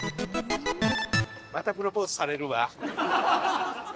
またプロポーズされるわ。